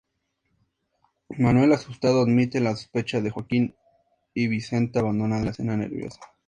Manuel, asustado, admite la sospecha de Joaquín y Vicenta abandona la escena nerviosa.